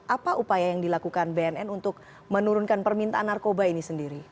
apa upaya yang dilakukan bnn untuk menurunkan permintaan narkoba ini sendiri